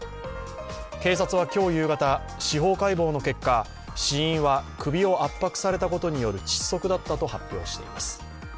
警察は今日夕方、司法解剖の結果死因は首を圧迫されたことによる窒息だったと発表しています。